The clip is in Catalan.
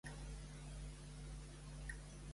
Aureli, germà, sé que m'odies.